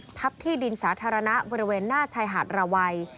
เฉพาะสถานสิทธิ์ทับที่ดินสาธารณะบริเวณหน้าชายหาดระไวย